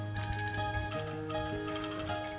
emangnya di subang